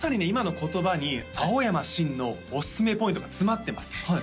今の言葉に青山新のおすすめポイントが詰まってます